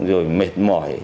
rồi mệt mỏi